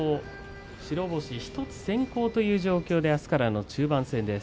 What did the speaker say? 白星１つ先行という形であすからの中盤戦です。